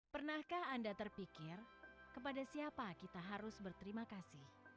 pernahkah anda terpikir kepada siapa kita harus berterima kasih